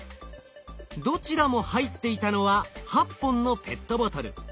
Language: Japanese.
どちらも入っていたのは８本のペットボトル。